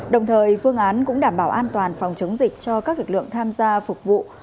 đồng thời phương án cũng đảm bảo an toàn phòng chống dịch cho các lực lượng tham gia phục vụ